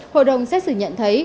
hội đồng xét xử nhận thấy